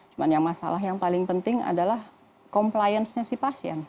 cuma yang masalah yang paling penting adalah compliance nya si pasien